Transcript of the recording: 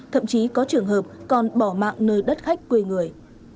thậm chí có trường hợp còn bỏ mạng nơi đất khách quê người